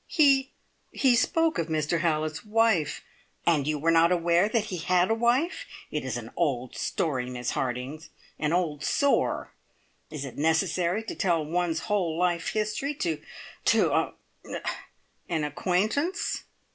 "He he spoke of Mr Hallett's wife " "And you were not aware that he had a wife? It is an old story, Miss Harding; an old sore. Is it necessary to tell one's whole life history to er an " "An acquaintance?